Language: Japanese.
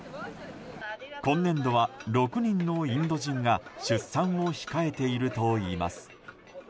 今年度は６人のインド人が出産を控えているといいます。